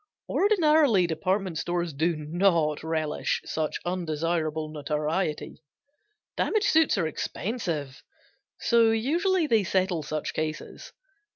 Ordinarily department stores do not relish such undesirable notoriety; damage suits are expensive, so usually they settle such cases.